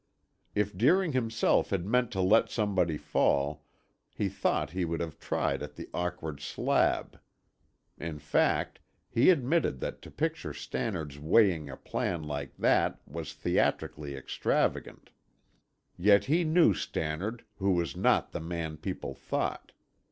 If Deering himself had meant to let somebody fall, he thought he would have tried at the awkward slab. In fact, he admitted that to picture Stannard's weighing a plan like that was theatrically extravagant. Yet he knew Stannard, who was not the man people thought.